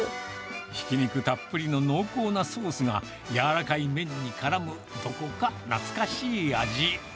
ひき肉たっぷりの濃厚なソースが、柔らかい麺にからむどこか懐かしい味。